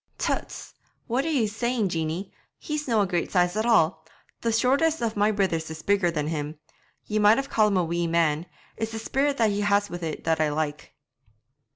'Tuts! What are ye saying, Jeanie! He's no' a great size at all; the shortest of my brithers is bigger than him! Ye might even ca' him a wee man; it's the spirit that he has wi' it that I like.'